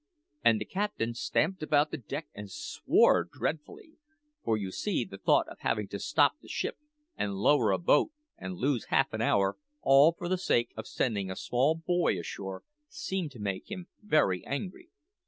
And the captain stamped about the deck and swore dreadfully; for, you see, the thought of having to stop the ship and lower a boat and lose half an hour, all for the sake of sending a small boy ashore, seemed to make him very angry.